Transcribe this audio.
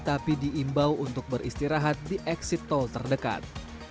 tapi diimbau untuk beristirahat di exit tol terdekat